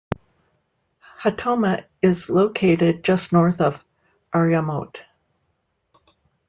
Hatoma is located just north of Iriomote.